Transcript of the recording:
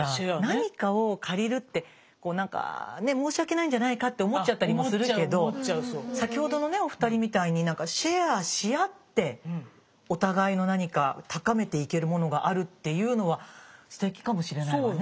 何かを借りるってこうなんかね申し訳ないんじゃないかって思っちゃったりもするけど先ほどのねお二人みたいにシェアし合ってお互いの何か高めていけるものがあるっていうのはステキかもしれないわね。